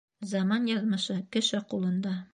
Заман яҙмышы кеше ҡулында.